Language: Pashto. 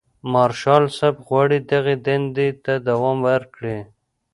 مارشال صاحب غواړي دغې دندې ته دوام ورکړي.